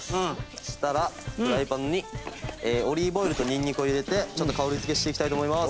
そうしたらフライパンにオリーブオイルとニンニクを入れて香り付けしていきたいと思います。